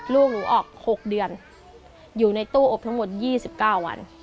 ลูกหนูออก๖เดือนอยู่ในตู้อบทั้งหมด๒๙วัน